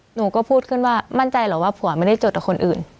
หนูก็พูดขึ้นว่ามั่นใจเหรอว่าผัวไม่ได้จดกับคนอื่น